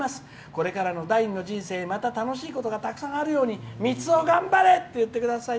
これからの第２の人生また楽しいことがたくさんあるようにみつお、頑張れ！って言ってください」。